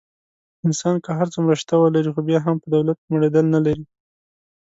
انسان که هر څومره شته ولري. خو بیا هم په دولت مړېدل نه لري.